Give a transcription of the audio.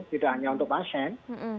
tidak hanya untuk pasien